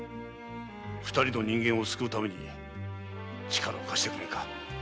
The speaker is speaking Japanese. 二人の人間を救うために力を貸してくれんか。